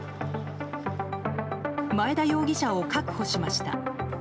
前田容疑者を確保しました。